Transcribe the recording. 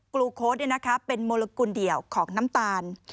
กลูโค้ดเนี่ยนะคะเป็นโมลกุลเดี่ยวของน้ำตาล